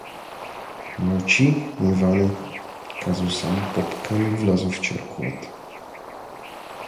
Мълчи, Иване, казал само поп Кън и влязъл в черковата.